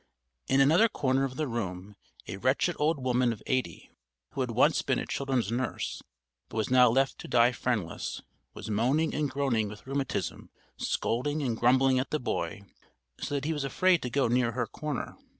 In another corner of the room a wretched old woman of eighty, who had once been a children's nurse but was now left to die friendless, was moaning and groaning with rheumatism, scolding and grumbling at the boy so that he was afraid to go near her corner.